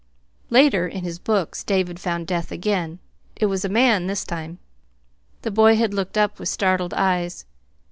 Later, in his books, David found death again. It was a man, this time. The boy had looked up with startled eyes.